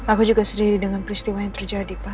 aku juga sendiri dengan peristiwa yang terjadi pa